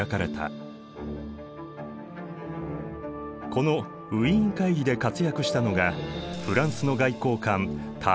このウィーン会議で活躍したのがフランスの外交官タレーランだ。